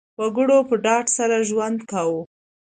وګړو په ډاډ سره ژوند کاوه.